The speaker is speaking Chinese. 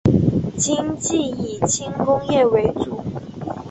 经济以轻工业为主。